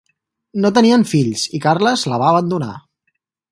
No tenien fills i Carles la va abandonar.